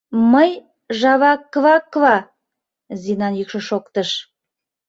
— Мый, жава-ква-ква, — Зинан йӱкшӧ шоктыш.